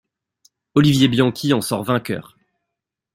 Olivier Bianchi en sort vainqueur.